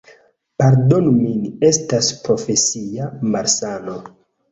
Pardonu min, estas profesia malsano.